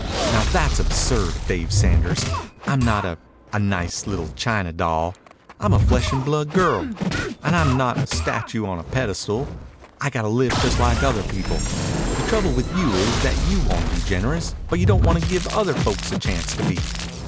"Now that's absurd, Dave Sanders. I'm not a a nice little china doll. I'm a flesh and blood girl. And I'm not a statue on a pedestal. I've got to live just like other people. The trouble with you is that you want to be generous, but you don't want to give other folks a chance to be.